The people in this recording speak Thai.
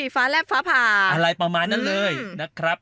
ฟ้าแลบฟ้าผ่าอะไรประมาณนั้นเลยนะครับ